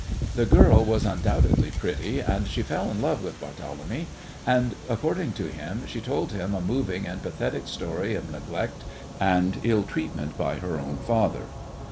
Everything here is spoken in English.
The girl was undoubtedly pretty, and she fell in love with Barthélemy, and, according to him, she told him a moving and pathetic story of neglect and ill treatment by her own father.